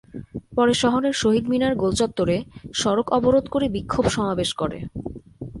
পরে শহরের শহীদ মিনার গোলচত্বরে সড়ক অবরোধ করে বিক্ষোভ সমাবেশ করে।